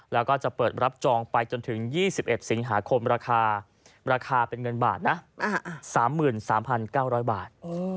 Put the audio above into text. แล้วก็จะเปิดรับจองไปจนถึง๒๑สิงหาคมราคาราคาเป็นเงินบาทนะ๓๓๙๐๐บาท